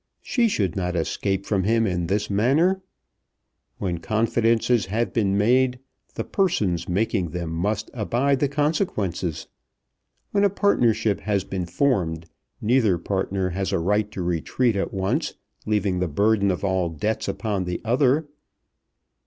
She should not escape from him in this manner! When confidences have been made, the persons making them must abide the consequences. When a partnership has been formed, neither partner has a right to retreat at once, leaving the burden of all debts upon the other.